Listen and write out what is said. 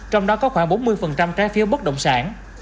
trong đó có khoảng bốn mươi trái phiếu bất động sản